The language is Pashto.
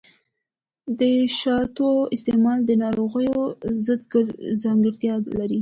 د شاتو استعمال د ناروغیو ضد ځانګړتیا لري.